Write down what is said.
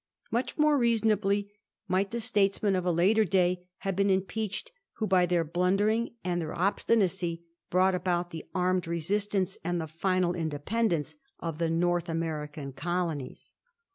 Much more reasonably might the statesmen of a later day have been im peached who, by their blundering and their obstinacy, brought about the armed resistance and the final independence of the North American colonies.